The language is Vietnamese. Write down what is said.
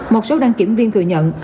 một số đăng kiểm viên thừa nhận